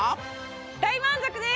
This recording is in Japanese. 大満足です！